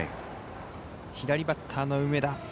左バッターの梅田。